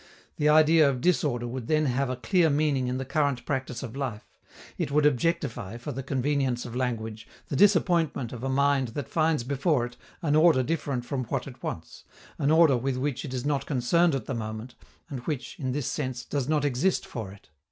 The idea of disorder would then have a clear meaning in the current practice of life: it would objectify, for the convenience of language, the disappointment of a mind that finds before it an order different from what it wants, an order with which it is not concerned at the moment, and which, in this sense, does not exist for it.